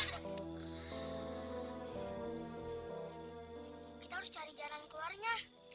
kita harus cari jalan keluarnya